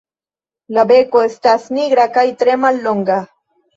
La beko estas nigra kaj tre mallonga.